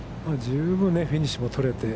十分フィニッシュも取れて。